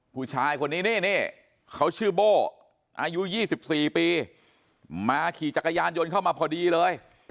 ผู้ชายคนนี้นี่เขาชื่อโบ้อายุ๒๔ปีมาขี่จักรยานยนต์เข้ามาพอดีเลย